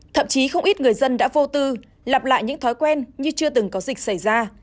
thậm chí không ít người dân đã vô tư lặp lại những thói quen như chưa từng có dịch xảy ra